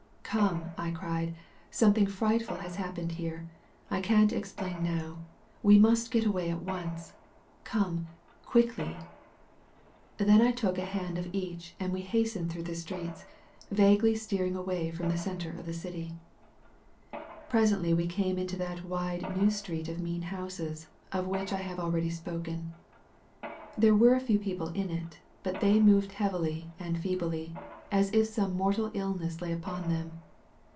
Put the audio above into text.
"Come/' I cried. "Something frightful has hap pened here. I can't explain now. We must get away at once. Come, quickly." Then I took a hand of each and we hastened through the streets, vaguely steering away from the centre of the city, t Presently we came into that wide new street of I mean houses, of which I have already spoken. There were a few people in it, but they moved heav ily and feebly, as if some mortal illness lay upon them.